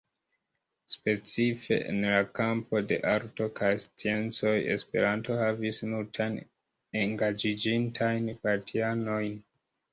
Specife en la kampo de arto kaj sciencoj Esperanto havis multajn engaĝiĝintajn partianojn.